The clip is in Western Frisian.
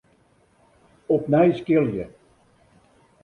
Opnij skilje.